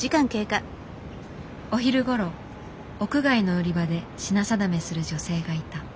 お昼ごろ屋外の売り場で品定めする女性がいた。